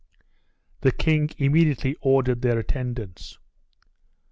The king immediately ordered their attendance.